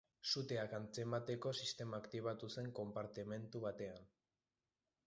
Suteak antzemateko sistema aktibatu zen konpartimentu batean.